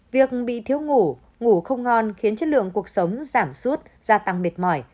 việc bị thiếu ngủ ngủ không ngon khiến chất lượng cuộc sống giảm sút gia tăng mệt mỏi